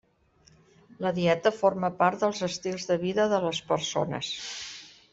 La dieta forma part dels estils de vida de les persones.